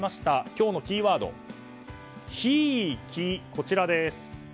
今日のキーワード、ヒイキ。